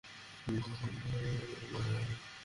মা যদি এটা দেখে, আমরা সমস্যায় পড়ে যাব।